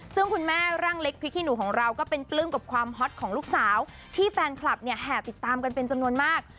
ซึ่งคุณแม่ร่างเล็กพริกขี้หนูของเราก็เป็นปลื้มกับความฮอตของลูกสาวที่แฟนคลับเนี่ยแห่ติดตามกันเป็นจำนวนมาก